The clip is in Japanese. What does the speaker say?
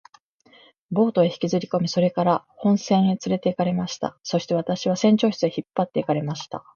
ボートへ引きずりこみ、それから本船へつれて行かれました。そして私は船長室へ引っ張って行かれました。